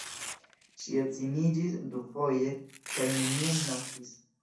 Ŝi edziniĝis dufoje kaj neniam naskis.